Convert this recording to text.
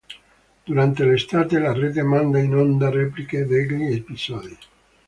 Durante l'estate la rete manda in onda repliche degli episodi.